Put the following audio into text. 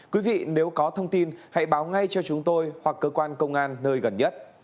quý vị nếu có thông tin hãy báo ngay cho chúng tôi hoặc cơ quan công an nơi gần nhất